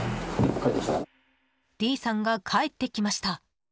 Ｄさんが帰ってきました。